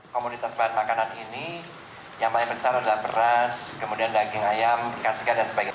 komoditas bahan makanan ini yang paling besar adalah beras kemudian daging ayam ikan segar dan sebagainya